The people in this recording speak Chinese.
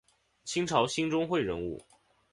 清朝兴中会人物。